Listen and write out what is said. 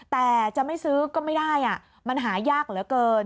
แต่จะไม่ซื้อก็ไม่ได้มันหายากเหลือเกิน